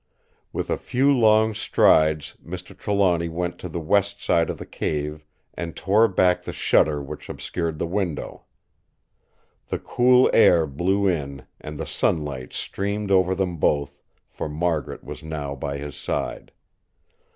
With a few long strides Mr. Trelawny went to the west side of the cave and tore back the shutter which obscured the window. The cool air blew in, and the sunlight streamed over them both, for Margaret was now by his side.